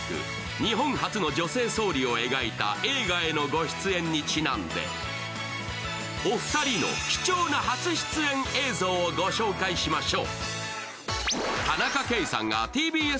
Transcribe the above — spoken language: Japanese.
日本初の女性総理を描いた映画にちなんで、お二人の貴重な初出演映像をご紹介しましょう。